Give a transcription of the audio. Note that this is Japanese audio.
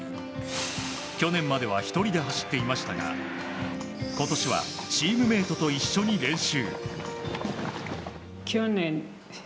去年までは１人で走っていましたが今年はチームメートと一緒に練習。